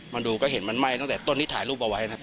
มาดูก็เห็นมันไหม้ตั้งแต่ต้นที่ถ่ายรูปเอาไว้นะครับ